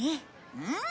うん。